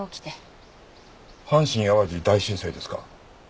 阪神・淡路大震災ですか？